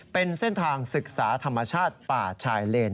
เป็นเส้นทางศึกษาธรรมชาติป่าชายเลน